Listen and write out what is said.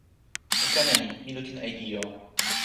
o ken e ni: mi lukin e ijo.